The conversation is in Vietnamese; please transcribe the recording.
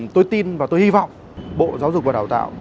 tôi tin và tôi hy vọng bộ giáo dục và đào tạo